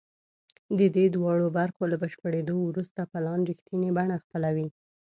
د دې دواړو برخو له بشپړېدو وروسته پلان رښتینې بڼه خپلوي